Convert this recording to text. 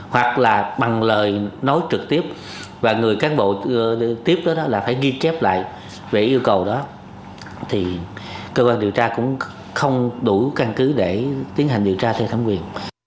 hoặc là bằng lời nói trực tiếp và người cán bộ tiếp đó là phải ghi chép lại về yêu cầu đó thì cơ quan điều tra cũng không đủ căn cứ để tiến hành điều tra theo thẩm quyền